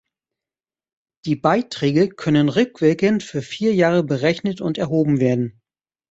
Die Beiträge können rückwirkend für vier Jahre berechnet und erhoben werden.